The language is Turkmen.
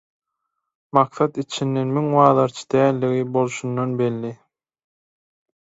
Maksat içinden «Muň bazarçy däldigi bolşundan belli.